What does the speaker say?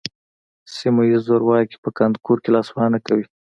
سیمه ییز زورواکي په کانکور کې لاسوهنه کوي